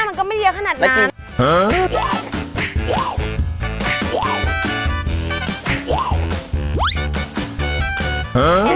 มันก็ไม่เยอะขนาดนานแล้วกิน